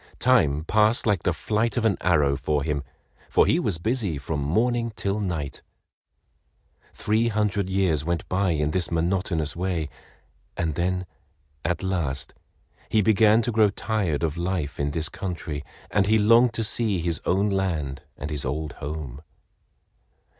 Time passed like the flight of an arrow for him, for he was busy from morning till night. Three hundred years went by in this monotonous way, and then at last he began to grow tired of life in this country, and he longed to see his own land and his old home.